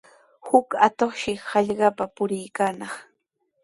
Huk atuqshi hallqapa puriykaanaq.